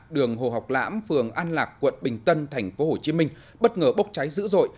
đường hồ học lãm phường an lạc quận bình tân tp hcm bất ngờ bốc cháy dữ dội